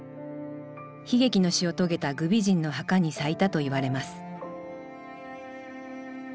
悲劇の死を遂げた虞美人の墓に咲いたといわれます